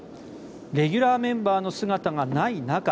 レギュラーメンバーの姿がない中